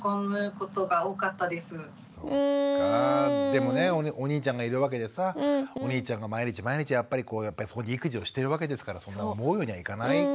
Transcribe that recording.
でもねお兄ちゃんがいるわけでさお兄ちゃんが毎日毎日やっぱりこうそこで育児をしているわけですからそんな思うようにはいかない。